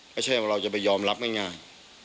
ไม่ใช่ว่าเราจะไปยอมรับง่าย